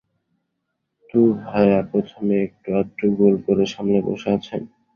তু-ভায়া প্রথমে একটু আধটু গোল করে সামলে বসে আছেন।